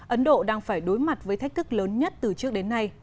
ấn độ đang phải đối mặt với thách thức lớn nhất từ trước đến nay